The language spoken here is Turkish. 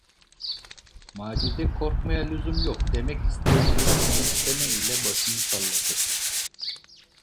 Macide, korkmaya lüzum yok, demek isteyen bir gülümseme ile başını salladı.